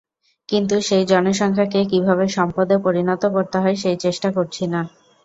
কিন্তু সেই জনসংখ্যাকে কীভাবে সম্পদে পরিণত করতে হয়, সেই চেষ্টা করছি না।